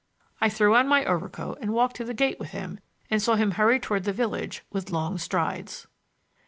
I threw on my overcoat and walked to the gate with him, and saw him hurry toward the village with long strides.